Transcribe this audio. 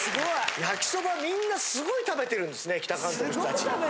焼きそばみんなすごい食べてるんですね